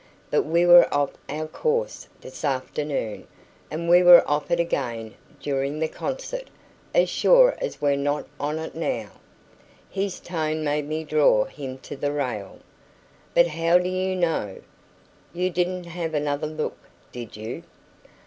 "But we were off our course this afternoon; and we were off it again during the concert, as sure as we're not on it now." His tone made me draw him to the rail. "But how do you know? You didn't have another look, did you?"